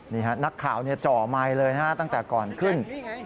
นี่ค่ะนักข่าวเจาะไม้เลยนะตั้งแต่ก่อนขึ้น